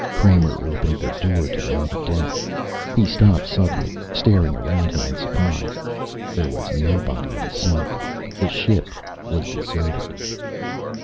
Kramer opened the door to the main deck. He stopped suddenly, staring around him in surprise. There was nobody in sight. The ship was deserted.